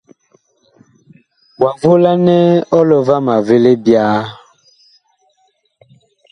Wa volan ɔlɔ vama vi libyaa.